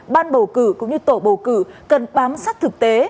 ban bầu cử cũng như tổ bầu cử cần bám sát thực tế